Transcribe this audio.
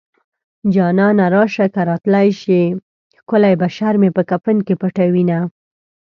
جانانه راشه که راتلی شې ښکلی بشر مې په کفن کې پټوينه